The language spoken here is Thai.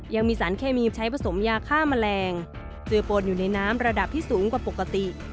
ยังมีสารเคมีใช้ผสมยาฆ่าแมลงเจอปนอยู่ในน้ำระดับที่สูงกว่าปกติ